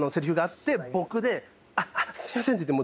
あっあっすいませんって言って。